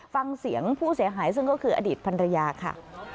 ฟังเสียงผู้เสียหายซึ่งก็คืออดีตภรรยาค่ะ